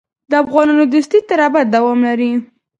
د افغان دوستي تر ابده دوام لري.